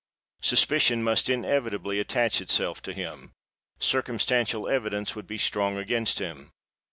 Suspicion must inevitably attach itself to him:—circumstantial evidence would be strong against him!